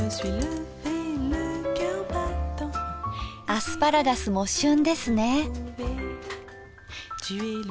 アスパラガスも旬ですね。